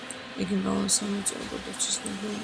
იგი მრავალი სამრეწველო პროდუქტის ნედლეულია.